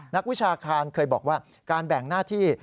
นักวิชาคารเคยบอกว่าการแบ่งหน้าที่